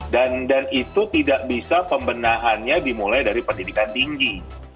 dan itu tidak bisa pembenahannya dimulai dari pendidikan tinggi